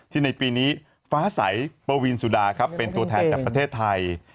ในปีนี้ฟ้าใสปวีนสุดาครับเป็นตัวแทนจากประเทศไทย